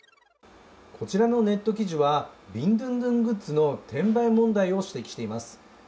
こちらのネット記事はビンドゥンドゥングッズの転売問題を指摘しています。